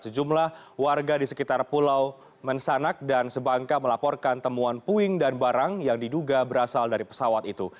sejumlah warga di sekitar pulau mensanak dan sebangka melaporkan temuan puing dan barang yang diduga berasal dari pesawat itu